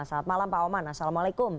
selamat malam pak oman assalamualaikum